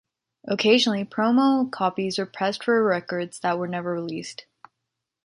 Occasionally promo copies were pressed for records that were never released.